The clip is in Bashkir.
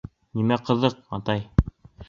— Нимә ҡыҙыҡ, атай?